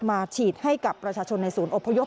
ฉีดให้กับประชาชนในศูนย์อพยพ